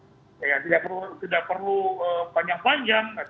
pengalaman teman teman ketika berkampanye tidak perlu panjang panjang